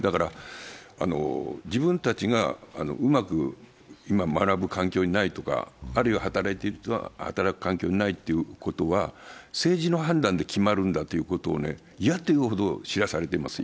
自分たちがうまく今、学ぶ環境にないとかあるいは働く環境にないということは、政治の判断で決まるんだということを嫌というほど知らされていますよ